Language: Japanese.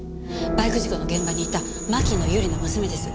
バイク事故の現場にいた牧野由梨の娘です。